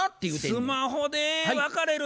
スマホで別れる。